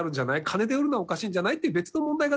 金で売るのはおかしいんじゃないっていう。